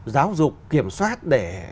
giáo dục kiểm soát để